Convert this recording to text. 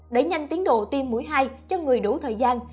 để nhanh tiến độ tiêm mũi hai cho người đủ thời gian